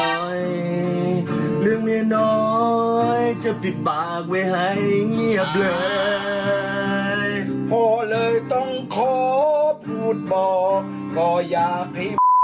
โอ้เฮ้ยคุณพ่อ